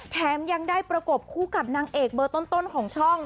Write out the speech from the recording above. แถมยังได้ประกบคู่กับนางเอกเบอร์ต้นของช่อง